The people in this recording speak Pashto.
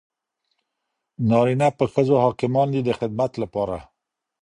نارینه په ښځو حاکمان دي د خدمت لپاره.